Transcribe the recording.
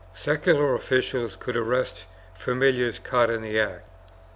Secular officials could arrest familiars caught in the act.